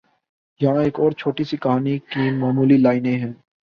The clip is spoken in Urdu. یہاں ایک اور چھوٹی سی کہانی کی معمولی لائنیں ہیں